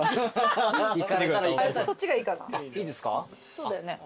そうだよね